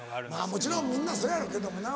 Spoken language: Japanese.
もちろんみんなそうやろうけどもな。